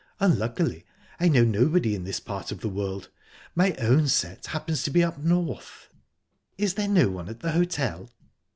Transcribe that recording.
Unluckily, I know nobody in this part of the world. My own set happens to be up North." "Is there no one at the hotel?"